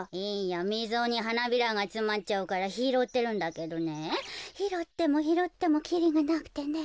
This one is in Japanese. みぞにはなびらがつまっちゃうからひろってるんだけどねひろってもひろってもきりがなくてね。